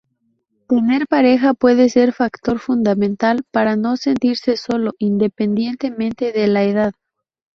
Tener pareja puede ser factor fundamental para no sentirse solo, independientemente de la edad.